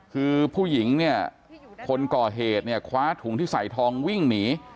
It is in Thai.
คือผู้หญิงคนก่อเหตุคว้าถุงที่ใส่ทองวิ่งหนี